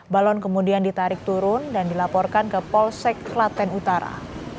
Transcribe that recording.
balon kemudian ditarik turun dan dilaporkan ke polsek klaten utara